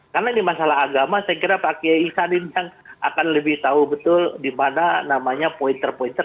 karena ini masalah agama saya kira pak kiai sanin yang akan lebih tahu betul dimana namanya pointer pointer